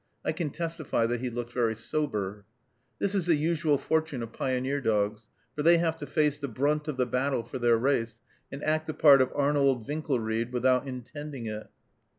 I can testify that he looked very sober. This is the usual fortune of pioneer dogs, for they have to face the brunt of the battle for their race, and act the part of Arnold Winkelried without intending it.